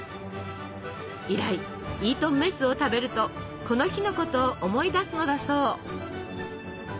以来イートンメスを食べるとこの日のことを思い出すのだそう。